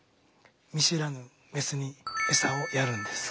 見知らぬメスにエサをやるんです。